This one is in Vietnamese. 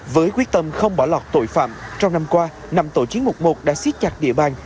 với quyết tâm không bỏ lọt tội phạm trong năm qua nằm tội chín một mươi một đã xiết chặt địa bàn